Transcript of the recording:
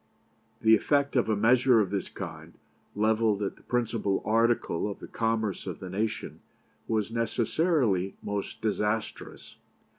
"The effect of a measure of this kind, levelled at the principal article of the commerce of the nation, was necessarily most disastrous.